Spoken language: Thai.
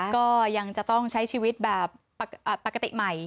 ก็ยังจะต้องใช้ชีวิตแบบปกติใหม่